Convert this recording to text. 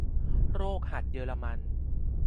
โรคหัดเยอรมัน